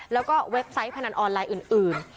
แล้วก็เว็บไซต์พนันออนไลน์อื่น